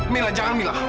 mila jangan mila